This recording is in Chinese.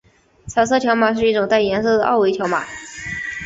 彩色条码是一种带颜色的二维条码。